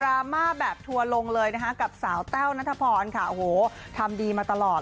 รามาแบบทัวร์ลงเลยนะคะกับสาวแต้วนัทพรค่ะโอ้โหทำดีมาตลอด